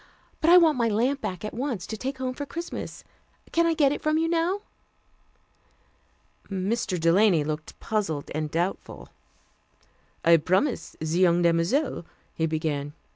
But I want my lamp back at once, to take home for Christmas. Can I get it from you now?" Mr. Delany looked puzzled and doubtful. "I promised the young demoiselle " he began.